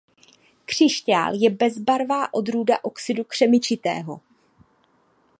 Křišťál je bezbarvá odrůda oxidu křemičitého.